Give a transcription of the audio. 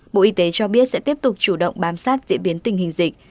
bộ y tế cho biết sẽ tiếp tục chủ động bám sát diễn biến tình hình dịch